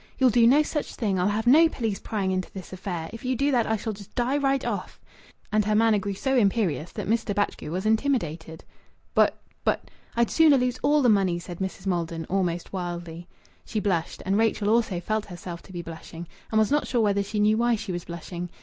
"You'll do no such thing. I'll have no police prying into this affair. If you do that I shall just die right off." And her manner grew so imperious that Mr. Batchgrew was intimidated. "But but " "I'd sooner lose all the money!" said Mrs. Maldon, almost wildly. She blushed. And Rachel also felt herself to be blushing, and was not sure whether she knew why she was blushing.